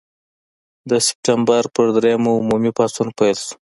د سپټمبر پر دریمه عمومي پاڅون پیل شو.